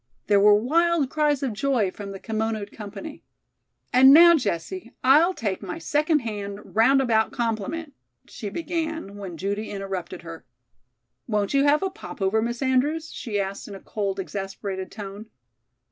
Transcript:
There were wild cries of joy from the kimonoed company. "And now, Jessie, I'll take my second hand, roundabout compliment " she began, when Judy interrupted her. "Won't you have a popover, Miss Andrews?" she asked in a cold, exasperated tone.